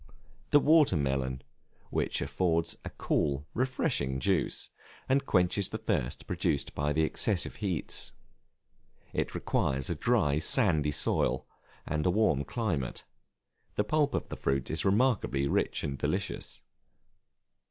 The water melon, which affords a cool, refreshing juice, and quenches the thirst produced by the excessive heats. It requires a dry, sandy soil, and a warm climate; the pulp of the fruit is remarkably rich and delicious.